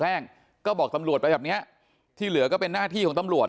แจ้งก็บอกตำรวจไปแบบเนี้ยที่เหลือก็เป็นหน้าที่ของตำรวจ